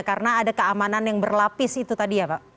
karena ada keamanan yang berlapis itu tadi ya pak